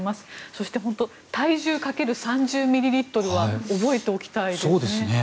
そして、本当に体重掛ける３０ミリリットルは覚えておきたいですね。